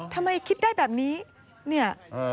ทำไมคิดได้แบบนี้